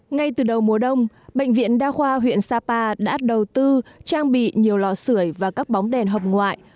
ngay từ đầu mùa đông bệnh viện đa khoa huyện sapa đã đầu tư trang bị nhiều lọ sửa và các bóng đèn hợp ngoại